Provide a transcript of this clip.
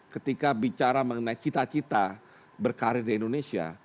ketika bicara mengenai cita cita berkarir di indonesia